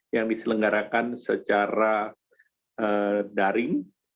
yang diselenggarakan secara daring